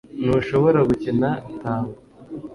Ntushobora gukina tango